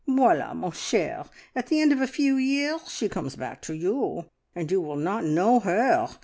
Voila, ma chere, at the end of a few years she comes back to you, and you will not know her!